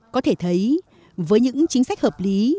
có thể thấy với những chính sách hợp lý